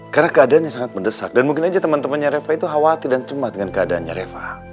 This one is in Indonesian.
karena keadaannya sangat mendesak dan mungkin aja temen temennya reva itu khawatir dan cemaat dengan keadaannya reva